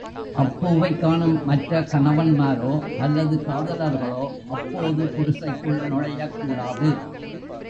அப்பூவைக் காணும் மற்ற கணவன்மாரோ, அல்லது காதலர்களோ அப்போது குடிசைக்குள் நுழையக் கூடாது.